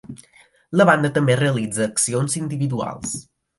La banda també realitza accions individuals.